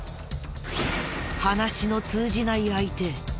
話の通じない相手。